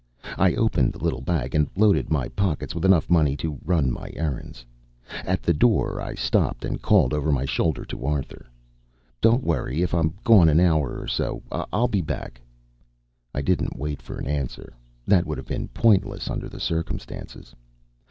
I opened the little bag and loaded my pockets with enough money to run my errands. At the door, I stopped and called over my shoulder to Arthur: "Don't worry if I'm gone an hour or so. I'll be back." I didn't wait for an answer. That would have been pointless under the circumstances.